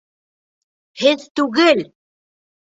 Һеҙ түгел!